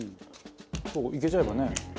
「いけちゃえばね」